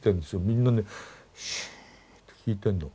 みんなねシーンと聴いてるの。